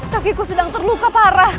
kakiku sedang terluka parah